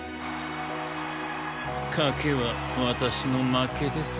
賭けは私の負けですね。